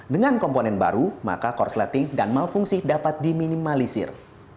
dengan komponen baru maka korsleting dan malfungsi dapat diminimalisir